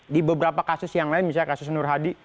di beberapa kasus yang lain misalnya kasus nur hadi